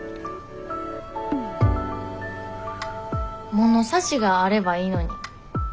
物差しがあればいいのに。